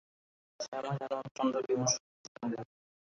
শ্যামা যেন অত্যন্ত বিমর্ষ হয়ে চলে গেল।